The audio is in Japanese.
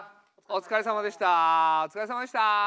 お疲れさまでした。